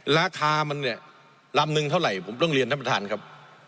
ราคามันเนี่ยลำนึงเท่าไหร่ผมต้องเรียนท่านประธานครับ